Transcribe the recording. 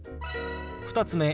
２つ目。